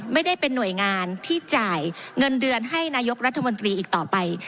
ไม่ได้เป็นหน่วยงานที่จ่ายเงินเดือนให้นายกรัฐมนตรีอีกต่อไป